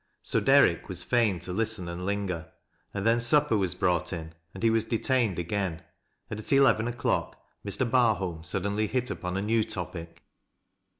So Derrick was fain to listen and linger, and then suppei was. brought in and he was detained again, and at eleven o'clock Mr. Barholm suddenly hit upon a new topic.